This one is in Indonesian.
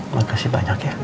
makasih banyak ya